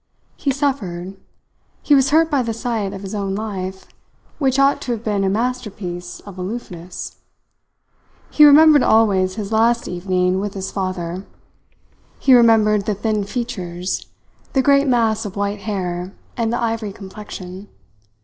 He suffered. He was hurt by the sight of his own life, which ought to have been a masterpiece of aloofness. He remembered always his last evening with his father. He remembered the thin features, the great mass of white hair, and the ivory complexion.